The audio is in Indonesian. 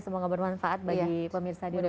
semoga bermanfaat bagi pemirsa di rumah